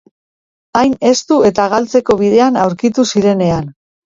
Hain estu eta galtzeko bidean aurkitu zirenean.